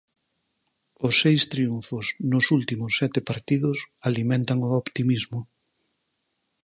Os seis triunfos nos últimos sete partidos alimentan o optimismo.